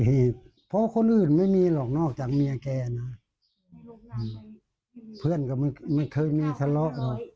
เหตุเพราะคนอื่นไม่มีหรอกนอกจากเมียแกนะเพื่อนก็ไม่เคยมีทะเลาะ